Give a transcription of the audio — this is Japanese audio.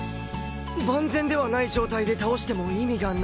万全ではない状態で倒しても意味がない。